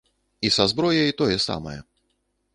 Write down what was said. І са зброяй тое самае.